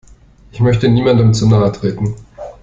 Ich möchte niemandem zu nahe treten.